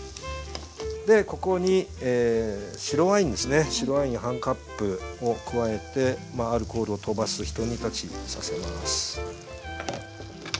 でここに白ワインですね白ワイン半カップを加えてアルコールをとばすひと煮立ちさせます。